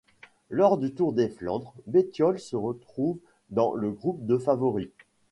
Lors du Tour des Flandres, Bettiol se retrouve dans le groupe de favoris.